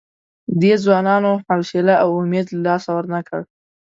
دې ځوانانو حوصله او امید له لاسه ورنه کړ.